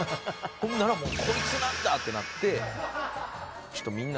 ほんならもう「こいつなんだ！？」ってなって。